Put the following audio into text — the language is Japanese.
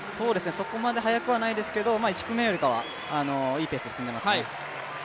そこまで速くはないですけど１組目よりはいいペースで走ってますね。